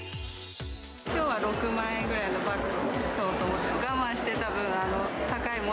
きょうは６万円ぐらいのバッグを買おうと思って。